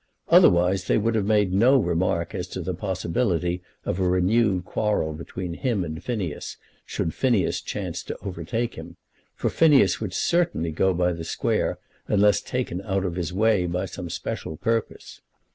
Otherwise they would have made no remark as to the possibility of a renewed quarrel between him and Phineas, should Phineas chance to overtake him; for Phineas would certainly go by the square unless taken out of his way by some special purpose.